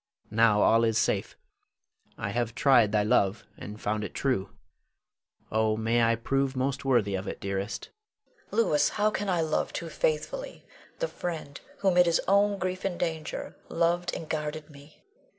Now all is safe. I have tried thy love, and found it true. Oh, may I prove most worthy of it, dearest. Leonore. Louis, how can I love too faithfully the friend who, 'mid his own grief and danger, loved and guarded me.